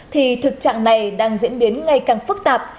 thì thực trạng này đang diễn biến ngày càng phức tạp